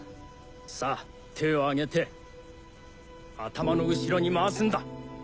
さぁ手を上げて頭の後ろに回すんだ。